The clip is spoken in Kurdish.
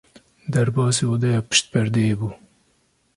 Derbasî odeya pişt perdeyê bû.